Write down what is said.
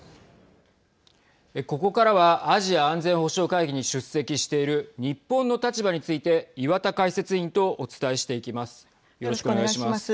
ここからはアジア安全保障会議に出席している日本の立場について岩田解説委員とよろしくお願いします。